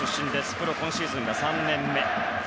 プロ今シーズンが３年目。